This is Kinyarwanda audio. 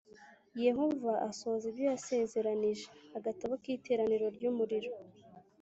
Yehova asohoza ibyo yasezeranyije agatabo k iteraniro ry umurimo